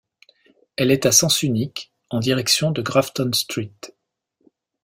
Elle est à sens unique, en direction de Grafton Street.